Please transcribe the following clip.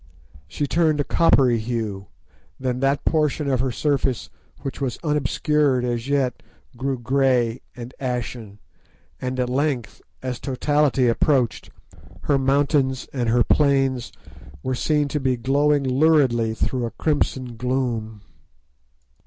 She turned a coppery hue, then that portion of her surface which was unobscured as yet grew grey and ashen, and at length, as totality approached, her mountains and her plains were to be seen glowing luridly through a crimson gloom.